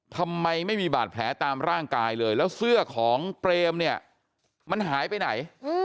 ทำไมไม่มีบาดแผลตามร่างกายเลยแล้วเสื้อของเปรมเนี่ยมันหายไปไหน